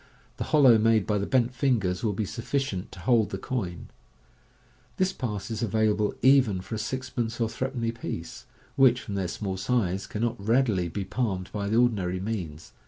The hollow made by the bent fingers will be sufficient to hold the coin. This pass is available even for a sixpence or threepenny piece, which from their small size, can not readily be palmed by the or dinary means.